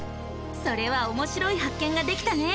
それはおもしろい発見ができたね！